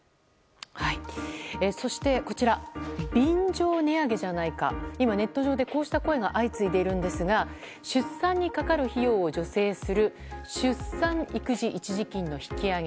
そして、こちら便乗値上げじゃないか今、ネット上でこうした声が相次いでいるんですが出産にかかる費用を助成する出産育児一時金の引き上げ。